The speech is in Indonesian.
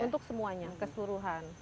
untuk semuanya keseluruhan